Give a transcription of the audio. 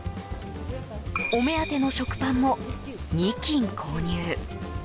お目当ての食パンも２斤購入。